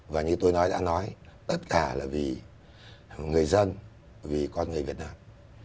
và như tôi nói đã nói tất cả là vì người dân vì con người việt nam